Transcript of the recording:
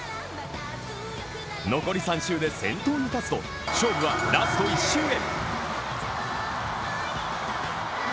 残り３周で先頭に立つと、勝負はラスト１周へ。